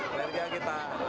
energi kita mengalir aja